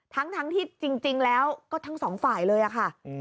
ทั้งที่จริงแล้วก็ทั้งสองฝ่ายเลยอะค่ะ